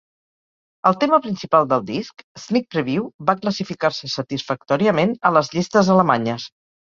El tema principal del disc, "Sneak Preview", va classificar-se satisfactòriament a les llistes alemanyes.